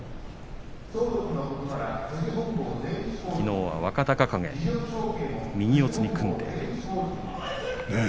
きのうは若隆景、右四つに組んで。